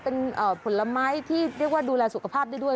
เป็นผลไม้ที่เรียกว่าดูแลสุขภาพได้ด้วย